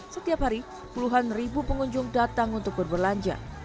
setiap hari puluhan ribu pengunjung datang untuk berbelanja